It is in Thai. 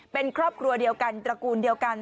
เป็นครอบครัวเดียวกันตระกูลเดียวกัน